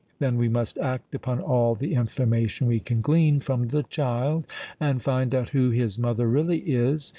Then we must act upon all the information we can glean from the child, and find out who his mother really is.